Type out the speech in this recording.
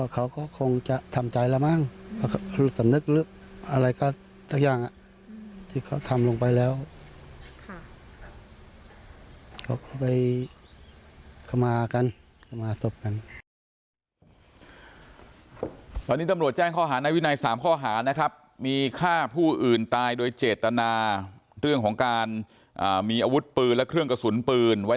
เขาก็คงจะทำใจแล้วมั้งสำนึกอะไรก็ตักอย่างที่เขาทำลงไปแล้ว